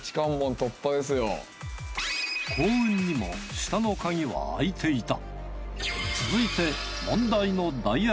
幸運にも下の鍵は開いていた。